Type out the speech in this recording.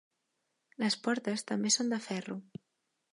Les portes també són de ferro.